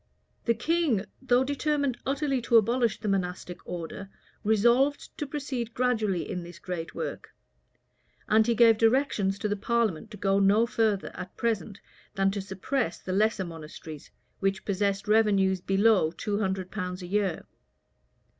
The king, though determined utterly to abolish the monastic order, resolved to proceed gradually in this great work; and he gave directions to the parliament to go no further, at present, than to suppress the lesser monasteries, which possessed revenues below two hundred pounds a year.